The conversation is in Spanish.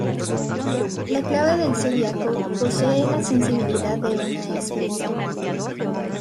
La clave del zodiaco posee la sensibilidad de una especie.